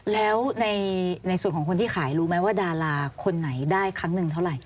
แล้วในส่วนของคนที่ขายรู้ไหมว่าดาราคนไหนได้ครั้งหนึ่งเท่าไหร่